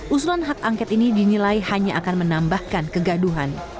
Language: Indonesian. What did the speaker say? usulan hak angket ini dinilai hanya akan menambahkan kegaduhan